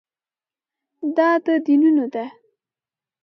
دا د دینونو ده.